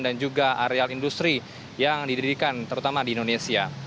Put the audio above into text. dan juga areal industri yang didirikan terutama di indonesia